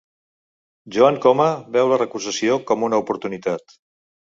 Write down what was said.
Joan Coma veu la recusació com una oportunitat